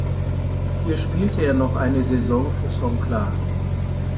Hier spielte er noch eine Saison für Songkhla.